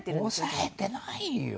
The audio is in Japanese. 抑えてないよ！